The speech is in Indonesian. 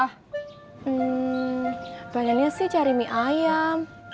hmm pengennya sih cari mie ayam